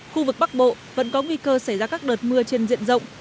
khu vực bắc bộ vẫn có nguy cơ xảy ra các đợt mưa trên diện rộng